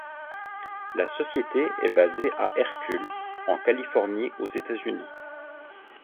La société est basée à Hercules, en Californie aux États-Unis.